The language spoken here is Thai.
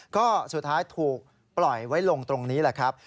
ก็สุดท้ายถูกปล่อยไว้ลงตรงนี้แหละครับ